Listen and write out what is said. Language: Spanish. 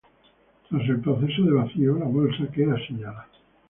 Tras el proceso de vacío la bolsa queda sellada.